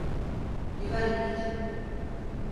Güvenlik için.